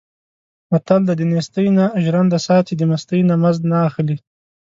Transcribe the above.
متل دی: دنېستۍ نه ژرنده ساتي، د مستۍ نه مزد نه اخلي.